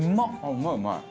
うまいうまい！